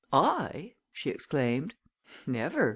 "I?" she exclaimed. "Never!